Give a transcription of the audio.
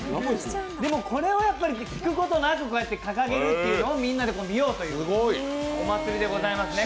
でも、これを引くことなく掲げるというのをみんなで見ようというお祭りですね。